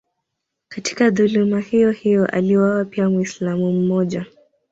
Katika dhuluma hiyohiyo aliuawa pia Mwislamu mmoja.